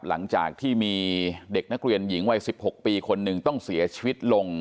หลังจากที่มีเด็กนักเรียนหญิงวัย๑๖ปีคนหนึ่งต้องเสียชีวิตลง